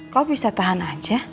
kau bisa tahan aja